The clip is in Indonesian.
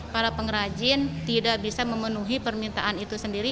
para pengrajin tidak bisa memenuhi permintaan itu sendiri